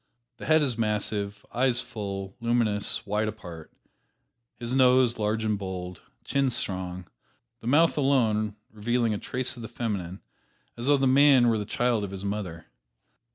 The head is massive, eyes full, luminous, wide apart, his nose large and bold, chin strong, the mouth alone revealing a trace of the feminine, as though the man were the child of his mother.